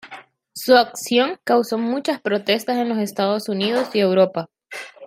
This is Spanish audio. Su acción causó muchas protestas en los Estados Unidos y Europa.